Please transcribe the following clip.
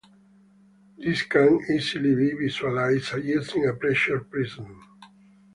This can easily be visualized using a pressure prism.